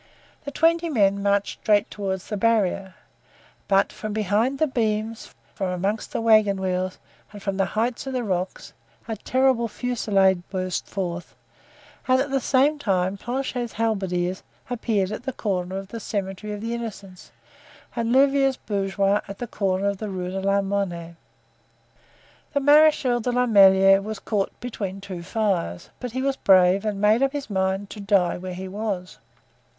The twenty men marched straight toward the barrier, but from behind the beams, from among the wagon wheels and from the heights of the rocks a terrible fusillade burst forth and at the same time Planchet's halberdiers appeared at the corner of the Cemetery of the Innocents, and Louvieres's bourgeois at the corner of the Rue de la Monnaie. The Marechal de la Meilleraie was caught between two fires, but he was brave and made up his mind to die where he was.